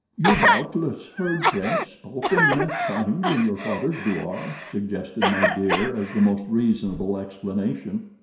"You doubtless heard French spoken at times in your father's douar," suggested My Dear, as the most reasonable explanation.